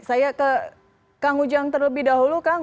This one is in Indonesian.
saya ke kang ujang terlebih dahulu kang